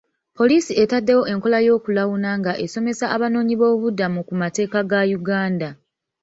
Poliisi ettaddewo enkola y'okulawuna nga esomesa abanoonyiboobubudamu ku mateeka ga Uganda.